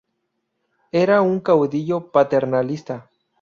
Era una caudillo paternalista.